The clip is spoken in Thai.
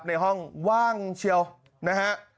ในห้องว่างเชียวนะฮะ